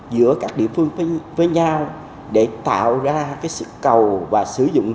giữa các địa phương với nhau để tạo ra cái sự cầu và sử dụng